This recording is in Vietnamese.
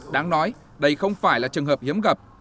đáng nói đây không phải là trường hợp hiếm gặp